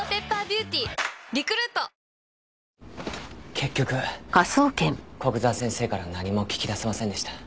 結局古久沢先生から何も聞き出せませんでした。